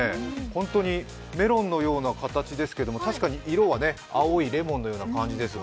ホントにメロンのような形ですけど、確かに色は青いレモンのような感じですが。